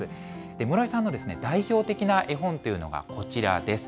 室井さんの代表的な絵本というのがこちらです。